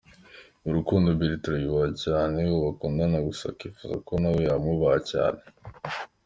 Mu rukundo, Bertrand yubaha cyane uwo bakundana gusa akifuza ko nawe yamwubaha cyane.